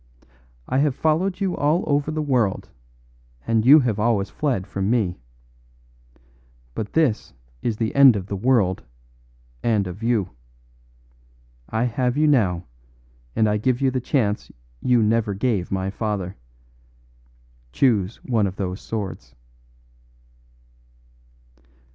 I have followed you all over the world, and you have always fled from me. But this is the end of the world and of you. I have you now, and I give you the chance you never gave my father. Choose one of those swords."